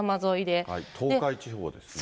東海地方ですね。